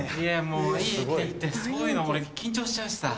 もういいっていいってそういうの俺緊張しちゃうしさ。